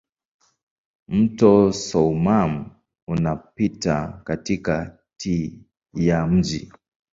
Mto Soummam unapita katikati ya mji.